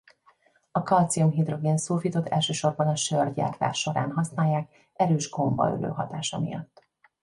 A kalcium-hidrogén-szulfitot elsősorban a sörgyártás során használják erős gombaölő hatása miatt.